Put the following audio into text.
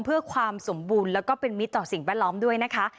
เพื่อความสมบูรณ์และมิตรสิ่งแวดล้อมด้วยนะคะ